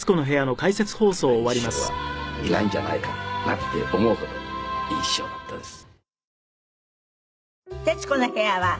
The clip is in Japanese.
本当あんないい師匠はいないんじゃないかなって思うほどいい師匠だったです。